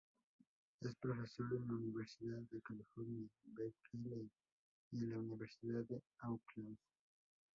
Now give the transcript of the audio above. Es profesor en la Universidad de California, Berkeley y en la Universidad de Auckland.